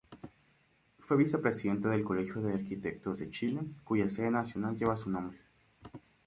Fue vicepresidente del Colegio de Arquitectos de Chile, cuya Sede Nacional lleva su nombre.